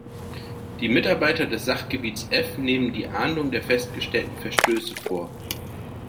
Die Mitarbeiter des Sachgebiets F nehmen die Ahndung der festgestellten Verstöße vor.